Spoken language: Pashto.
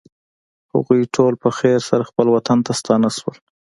هغوی ټول په خیر سره خپل وطن ته ستانه شول.